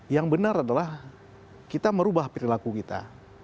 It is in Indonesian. yang benar adalah kita merubah perilaku kita